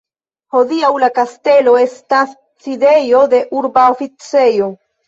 Hodiaŭ la kastelo estas sidejo de urba oficejo.